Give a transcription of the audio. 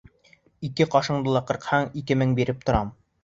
— Ике ҡашыңды ла ҡырһаң, ике мең биреп торам.